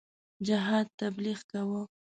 جهاد تبلیغ کاوه.